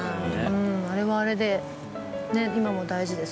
あれはあれで今も大事ですね。